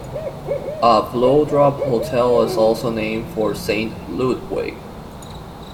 A Vlodrop hotel is also named for Saint Ludwig.